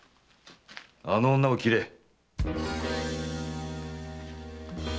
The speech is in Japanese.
あの女を斬れ。